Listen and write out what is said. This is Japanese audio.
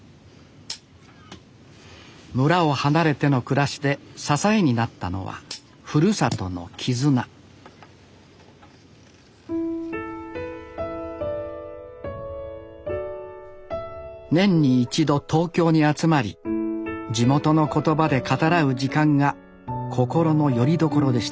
村を離れての暮らしで支えになったのはふるさとの絆年に一度東京に集まり地元の言葉で語らう時間が心のよりどころでした